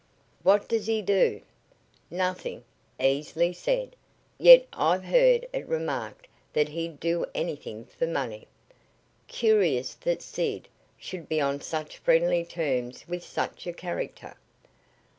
"What does he do?" "Nothing. Easily said. Yet I've heard it remarked that he'd do anything for money." "Curious that Sid should be on such friendly terms with such a character."